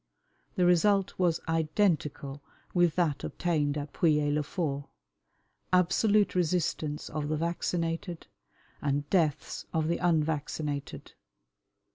The result was identical with that obtained at Pouilly le Fort absolute resistance of the vaccinated and deaths of the unvaccinated.